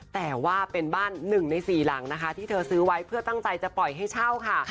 แต่ว่าเป็นบ้านหนึ่งในสี่หลังนะคะที่เธอซื้อไว้เพื่อตั้งใจจะปล่อยให้เช่าค่ะ